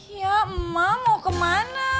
ya emak mau kemana